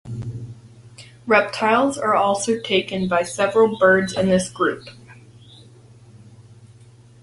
Reptiles are also taken by several birds in this group.